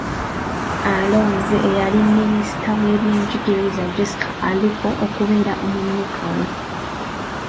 Alonze eyali minisita w’ebyenjigiriza, Jessica Alupo, okubeera omumyuka we.